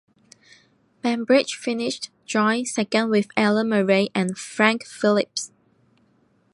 Bembridge finished joint second with Alan Murray and Frank Phillips.